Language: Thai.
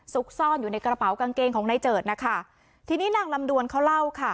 ซ่อนอยู่ในกระเป๋ากางเกงของนายเจิดนะคะทีนี้นางลำดวนเขาเล่าค่ะ